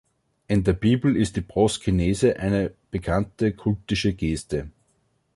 In der Bibel ist die Proskynese eine bekannte kultische Geste.